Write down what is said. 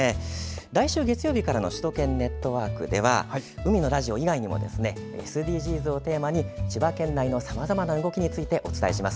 来週月曜日からの「首都圏ネットワーク」では「海のラジオ」以外にもＳＤＧｓをテーマに千葉県内のさまざまな動きをお伝えします。